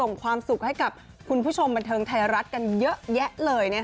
ความสุขให้กับคุณผู้ชมบันเทิงไทยรัฐกันเยอะแยะเลย